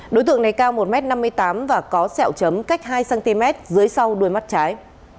đối tượng này cao một m năm mươi tám và có sẹo chấm cách hai cm dưới sau đuôi mắt trái